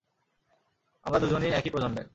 আমরা দুজনই একই প্রজন্মের।